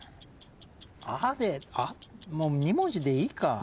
もう２文字でいいか。